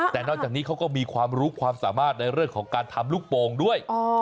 แต่นอกจากนี้เขาก็มีความรู้ความสามารถในเรื่องของการทำลูกโป่งด้วย